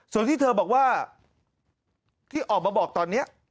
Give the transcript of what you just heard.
ส่วนที่เธอบอกว่าที่ออกมาบอกตอนนี้